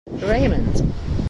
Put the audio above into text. Raymond.